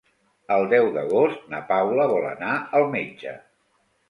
El deu d'agost na Paula vol anar al metge.